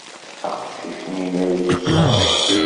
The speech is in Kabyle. Aqcic-nni la ittett aɣrum.